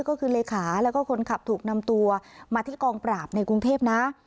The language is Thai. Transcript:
ก็คือเลขาแล้วก็คนขับถูกนำตัวมาที่กองปราบในกรุงเทพนะ